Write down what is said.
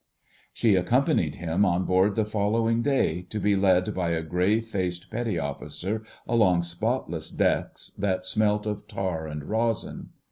She accompanied him on board the following day, to be led by a grave faced Petty Officer along spotless decks that smelt of tar and resin.